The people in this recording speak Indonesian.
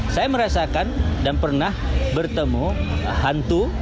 saya merasakan dan pernah bertemu hantu